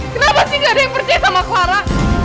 kenapa sih gak ada yang percaya sama farah